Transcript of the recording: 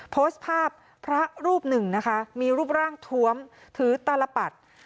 โพสต์ภาพพระรูปหนึ่งนะคะมีรูปร่างทวมถือตาลปัด